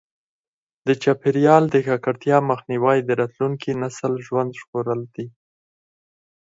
د چاپیریال د ککړتیا مخنیوی د راتلونکي نسل ژوند ژغورل دي.